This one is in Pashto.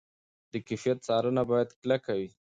د کیفیت څارنه باید کلکه وي.